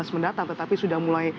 mendatang tetapi sudah mulai